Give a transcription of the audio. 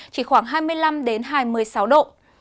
chỉ khoảng hai mươi năm hai mươi sáu độ